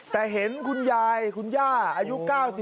แต่เห็นคุณยายคุณย่าอายุ๙๔